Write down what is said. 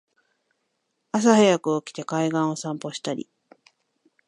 朝はやく起きて海岸を散歩したり